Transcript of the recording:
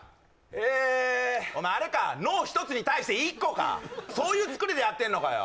ええお前あれか脳１つに対して１個かそういう作りでやってんのかよ